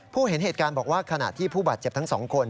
เห็นเหตุการณ์บอกว่าขณะที่ผู้บาดเจ็บทั้งสองคน